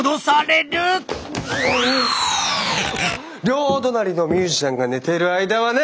両隣のミュージシャンが寝ている間はね！